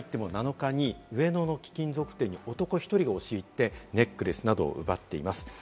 今月７日に上野の貴金属店に男１人が押し入ってネックレスなどを奪っています。